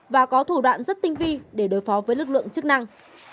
và có thủ đoạn rất tinh vi để đối phó với lực lượng chức năng